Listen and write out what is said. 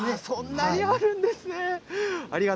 そんなにあるんですね。